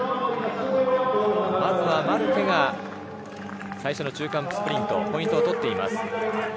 まずはマルテが最初の中間スプリントでポイントを取っています。